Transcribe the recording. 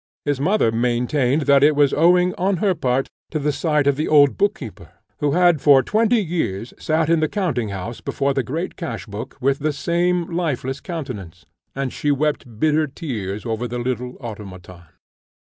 His mother maintained that it was owing, on her part, to the sight of the old book keeper, who had for twenty years sat in the counting house before the great cash book, with the same lifeless countenance; and she wept bitter tears over the little automaton.